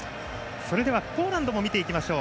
それではポーランドも見ていきましょう。